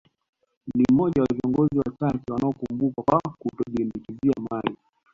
Ni mmoja wa viongozi wachache wanaokumbukwa kwa kutojilimbikizia mali